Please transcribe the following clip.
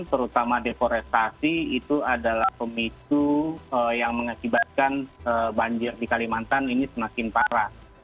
terutama deforestasi itu adalah pemicu yang mengakibatkan banjir di kalimantan ini semakin parah